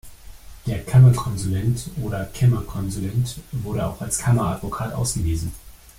Der "Kammer-Consulent" oder "Kámmer-Consulếnt" wurde auch als "Kammer-Advokat" ausgewiesen.